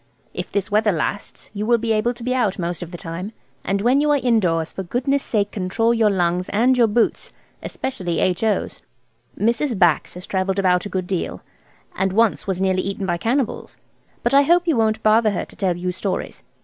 If this weather lasts you will be able to be out most of the time, and when you are indoors for goodness' sake control your lungs and your boots, especially H.O.'s. Mrs. Bax has travelled about a good deal, and once was nearly eaten by cannibals. But I hope you won't bother her to tell you stories.